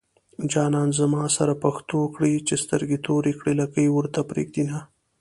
جانان زما سره پښتو کړي چې سترګې توري کړي لکۍ ورته پرېږدينه